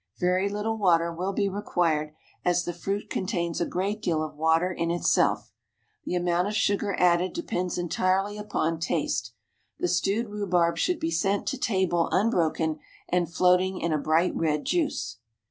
Very little water will be required, as the fruit contains a great deal of water in itself. The amount of sugar added depends entirely upon taste. The stewed rhubarb should be sent to table unbroken, and floating in a bright red juice.